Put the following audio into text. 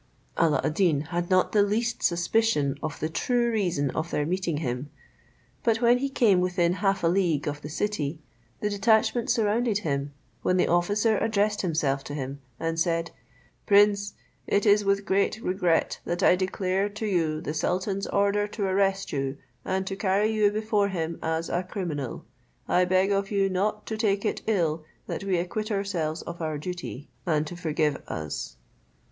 Alla ad Deen had not the least suspicion of the true reason of their meeting him; but when he came within half a league of the city, the detachment surrounded him, when the officer addressed himself to him, and said, "Prince, it is with great regret that I declare to you the sultan's order to arrest you, and to carry you before him as a criminal: I beg of you not to take it ill that we acquit ourselves of our duty, and to forgive us."